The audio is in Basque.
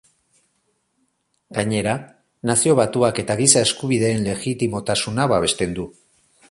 Gainera, Nazio Batuak eta Giza Eskubideen legitimotasuna babesten du.